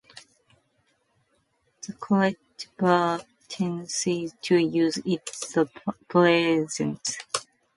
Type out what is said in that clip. Therefore, the correct verb tense to use is the present continuous tense, "is getting".